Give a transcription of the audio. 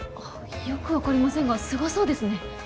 よく分かりませんがすごそうですね。